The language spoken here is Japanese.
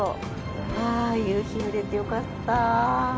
ああ、夕日見れてよかった。